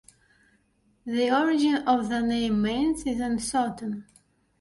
The origin of the name "Manes" is uncertain.